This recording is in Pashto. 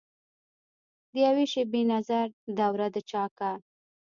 دیوي شیبي نظر دوره دچاکه